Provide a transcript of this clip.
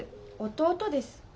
弟です。